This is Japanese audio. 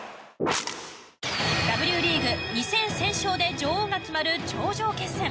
Ｗリーグ２戦先勝で女王が決まる頂上決戦。